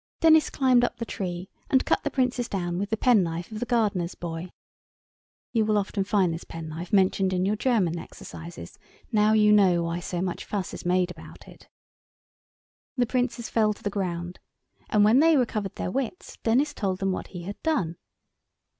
Denis climbed up the tree and cut the Princes down with the penknife of the gardener's boy. (You will often find this penknife mentioned in your German exercises; now you know why so much fuss is made about it.) The Princes fell to the ground, and when they recovered their wits Denis told them what he had done.